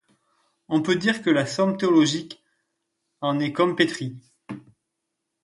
On peut dire que la Somme théologique en est comme pétrie.